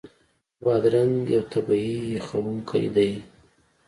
بادرنګ یو طبعي یخونکی دی.